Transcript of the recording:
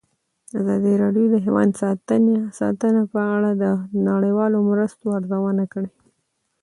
ازادي راډیو د حیوان ساتنه په اړه د نړیوالو مرستو ارزونه کړې.